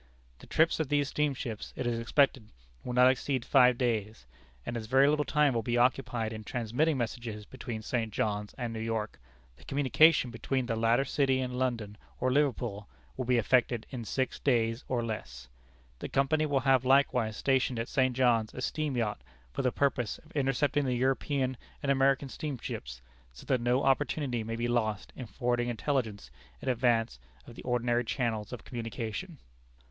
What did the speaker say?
The trips of these steamships, it is expected, will not exceed five days, and as very little time will be occupied in transmitting messages between St. John's and New York, the communication between the latter city and London or Liverpool, will be effected in six days, or less. The company will have likewise stationed at St. John's a steam yacht, for the purpose of intercepting the European and American steamships, so that no opportunity may be lost in forwarding intelligence in advance of the ordinary channels of communication."